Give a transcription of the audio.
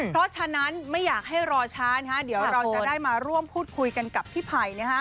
เพราะฉะนั้นไม่อยากให้รอช้าเดี๋ยวเราจะได้มาร่วมพูดคุยกันกับพี่ไผ่